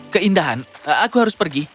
keindahan aku harus pergi